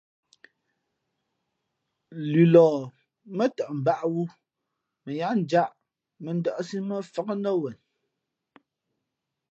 Lʉlɔ̌ mά tαʼ mbǎʼwū mα yáá njāʼ mᾱdάʼsí mά fák nά wen.